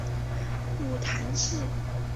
母谈氏。